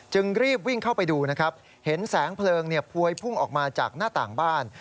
รีบวิ่งเข้าไปดูนะครับเห็นแสงเพลิงพวยพุ่งออกมาจากหน้าต่างบ้าน